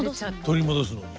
取り戻すのに。